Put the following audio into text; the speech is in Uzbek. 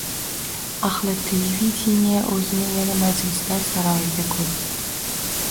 Ahli televideniye o‘zini yana majlislar saroyida ko‘rdi.